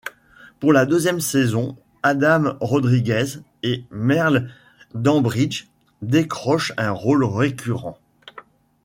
Pour la deuxième saison, Adam Rodríguez et Merle Dandridge décrochent un rôle récurrent.